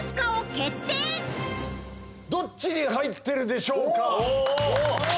どっちに入ってるでしょーか？